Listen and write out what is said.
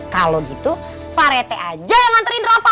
kalau gitu pak rt aja yang nganterin rafa